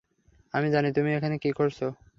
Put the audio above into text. আমি জানি তুমি এখানে কী করছ।